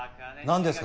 何ですか？